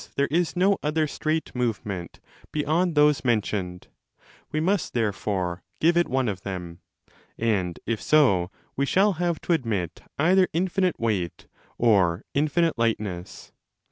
7 274" there is no other (straight) movement beyond those men tioned: we must therefore give it one of them. And if so, we shall have to admit either infinite weight or infinite 25 lightness.